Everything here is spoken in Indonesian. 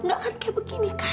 enggak akan kayak begini kan